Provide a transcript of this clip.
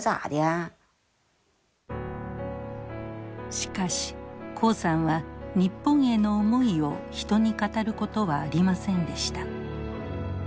しかし黄さんは日本への思いを人に語ることはありませんでした。